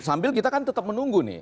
sambil kita kan tetap menunggu nih